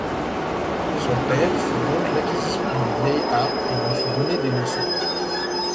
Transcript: Son père fit donc l’acquisition d’une vieille harpe et lui fit donner des leçons.